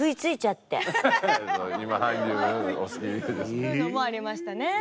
そういうのもありましたね。